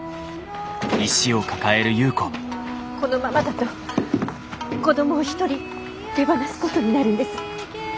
このままだと子供を一人手放すことになるんです。